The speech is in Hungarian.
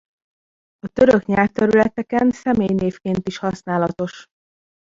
A török nyelvterületeken személynévként is használatos.